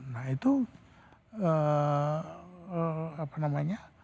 nah itu apa namanya